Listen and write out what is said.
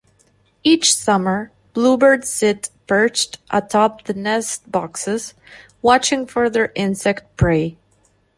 Each summer, bluebirds sit perched atop the nest boxes, watching for their insect prey.